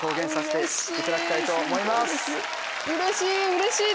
うれしい！